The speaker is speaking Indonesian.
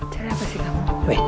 cari apa sih kamu